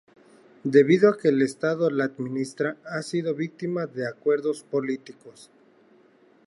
Debido a que el Estado la administra, ha sido víctima de acuerdos políticos.